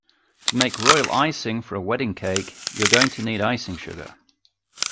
To make royal icing for a wedding cake you’re going to need icing sugar